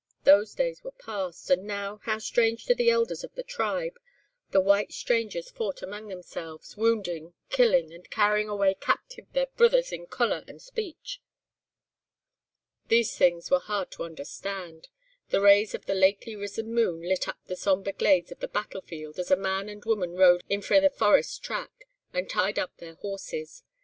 "Those days were past; and now, how strange to the elders of the tribe, the white strangers fought amang themselves, wounding, killing, and carrying away captive their brithers in colour and speech. These things were hard to understand. The rays of the lately risen moon lit up the sombre glades of the battlefield as a man and woman rode in frae the forest track, and tied up their horses.